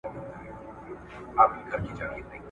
تاریخ مو مه هېروئ.